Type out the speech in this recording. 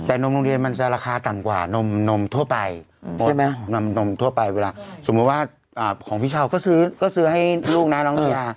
แต่นมโรงเรียนมันจะราคาต่ำกว่านมทั่วไปเวลาสมมุติว่าของพี่เช่าก็ซื้อให้ลูกนะน้องนี้